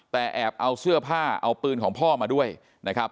แต่แอบเอาเสื้อผ้าเอาปืนของพ่อมาด้วยนะครับ